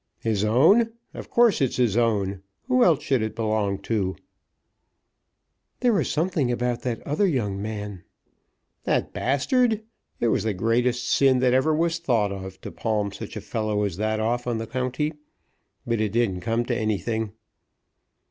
"His own? of course it's his own. Who else should it belong to?" "There was something about that other young man." "The bastard! It was the greatest sin that ever was thought of to palm such a fellow as that off on the county; but it didn't come to anything."